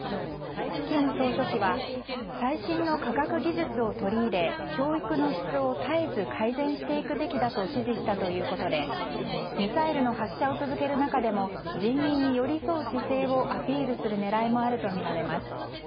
金総書記は最新の科学技術を取り入れ教育の質を絶えず改善していくべきだと指示したということでミサイルの発射を続ける中でも人民に寄り添う姿勢をアピールする狙いもあるとみられます。